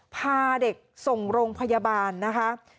พาเด็กส่งโรงพยาบาลนะคะ